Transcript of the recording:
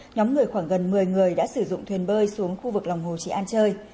nhóm người khoảng gần một mươi người đã sử dụng thuyền bơi xuống khu vực lòng hồ trị an chơi